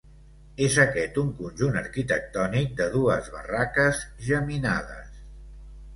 És aquest un conjunt arquitectònic de dues barraques geminades.